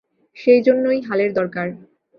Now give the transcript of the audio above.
সেইজন্যই হালের দরকার।